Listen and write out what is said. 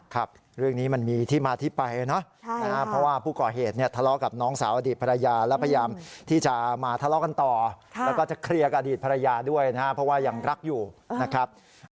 ครับเรื่องนี้มันมีที่มาที่ไปเนาะเพราะว่าผู้ก่อเหตุเนี่ยทะเลาะกับน้องสาวอดีตภรรยาแล้วพยายามที่จะมาทะเลาะกันต่อแล้วก็จะเคลียร์กับอดีตภรรยาด้วยนะครับเพราะว่ายังรักอยู่นะครับ